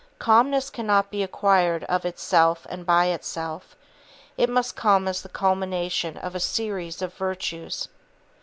Calmness cannot be acquired of itself and by itself; it must come as the culmination of a series of virtues.